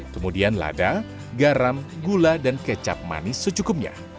kemudian lada garam gula dan kecap manis secukupnya